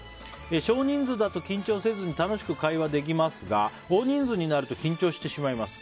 少人数だと緊張せずに楽しく会話できますが大人数になると緊張してしまいます。